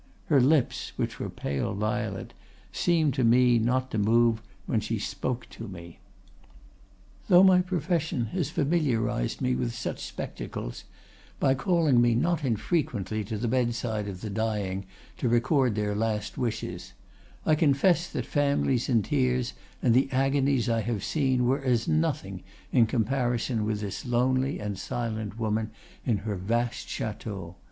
Her lips, which were pale violet, seemed to me not to move when she spoke to me. "'Though my profession has familiarized me with such spectacles, by calling me not infrequently to the bedside of the dying to record their last wishes, I confess that families in tears and the agonies I have seen were as nothing in comparison with this lonely and silent woman in her vast chateau.